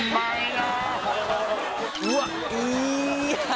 うわっいや